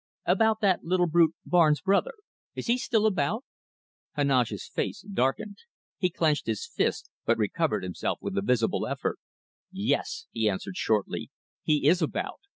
"About that little brute, Barnes' brother. Is he about still?" Heneage's face darkened. He clenched his fist, but recovered himself with a visible effort. "Yes!" he answered shortly, "he is about.